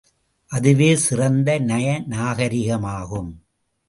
அதுவே சிறந்த நய நாகரிகமாகும்.